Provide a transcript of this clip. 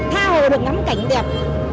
tha hồ được ngắm cảnh đẹp